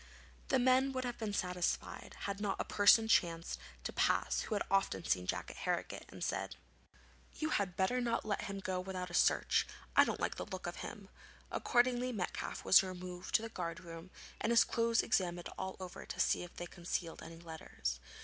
The men would have been satisfied had not a person chanced to pass who had often seen Jack at Harrogate, and said: 'You had better not let him go without a search; I don't like the look of him.' Accordingly Metcalfe was removed to the guard room and his clothes examined all over to see if they concealed any letters.